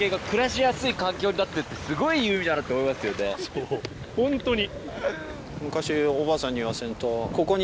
そうホントに。